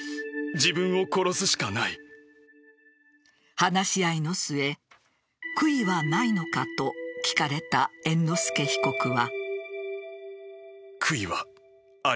話し合いの末悔いはないのかと聞かれた猿之助被告は。